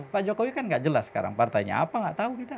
pak jokowi kan nggak jelas sekarang partainya apa nggak tahu kita